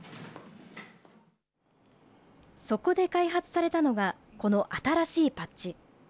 そこで開発されたのが、この新しいパッチ。